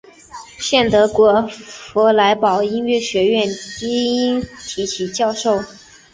现德国弗莱堡音乐学院低音提琴教授。